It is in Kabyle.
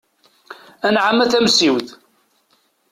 Anɛam a Tamsiwt.